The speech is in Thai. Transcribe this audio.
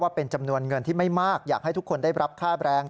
เป็นจำนวนเงินที่ไม่มากอยากให้ทุกคนได้รับค่าแรง